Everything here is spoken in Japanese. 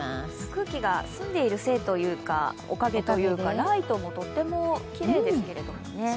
空気が澄んでいるせいというか、おかげというか、ライトもとってもきれいですけれどもね。